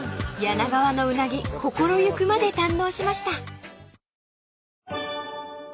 ［柳川のうなぎ心行くまで堪能しました］